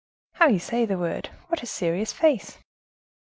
"How you say the word! What a serious face!"